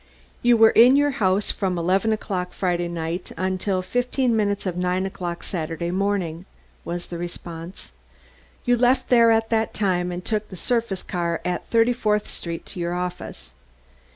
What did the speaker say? "You were in your house from eleven o'clock Friday night until fifteen minutes of nine o'clock Saturday morning," was the response. "You left there at that time, and took the surface car at Thirty fourth Street to your office.